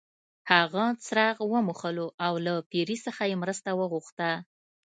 هغه څراغ وموښلو او له پیري څخه یې مرسته وغوښته.